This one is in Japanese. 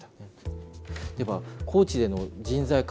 高知での人材確保